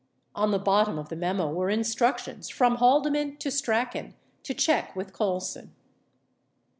On the bottom of the memo were instructions from Haldeman to Strachan to check with Colson.